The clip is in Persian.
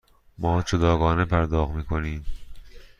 ما جداگانه پرداخت می کنیم.